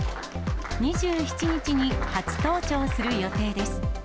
２７日に初登庁する予定です。